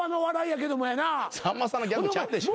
さんまさんのギャグちゃうでしょ。